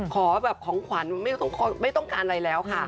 ขอแบบของขวัญไม่ต้องการอะไรแล้วค่ะ